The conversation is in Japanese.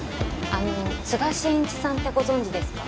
あの都賀真一さんってご存じですか？